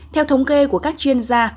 theo thống kê của các chuyên gia